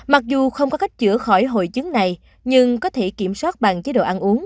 mặc dù không có cách chữa khỏi hội chứng này nhưng có thể kiểm soát bằng chế độ ăn uống